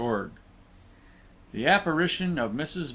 ] THE APPARITION OF MRS.